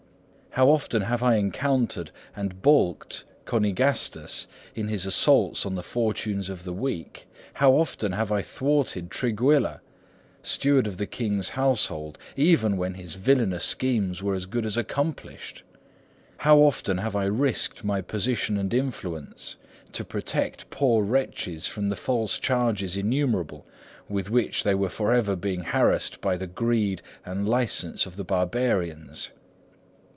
How often have I encountered and balked Conigastus in his assaults on the fortunes of the weak? How often have I thwarted Trigguilla, steward of the king's household, even when his villainous schemes were as good as accomplished? How often have I risked my position and influence to protect poor wretches from the false charges innumerable with which they were for ever being harassed by the greed and license of the barbarians?